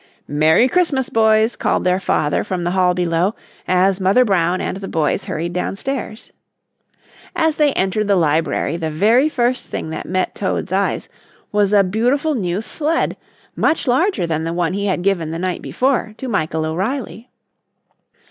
"Merry Christmas, boys," called their father from the hall below, as Mother Brown and the boys hurried downstairs. As they entered the library the very first thing that met Toad's eyes was a beautiful new sled, much larger than the one he had given the night before to Michael O'Reilly.